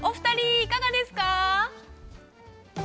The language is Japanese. いかがですか？